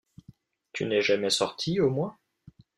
Tu n’es jamais sortie, au moins?